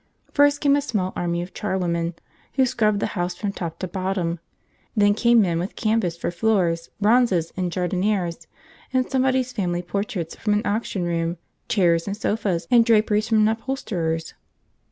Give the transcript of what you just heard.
First came a small army of charwomen, who scrubbed the house from top to bottom. Then came men with canvas for floors, bronzes and jardinieres and somebody's family portraits from an auction room, chairs and sofas and draperies from an upholsterer's.